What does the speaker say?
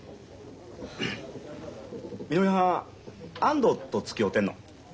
みのりはん安藤とつきおうてんの？